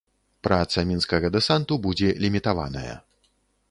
Праца мінскага дэсанту будзе лімітаваная.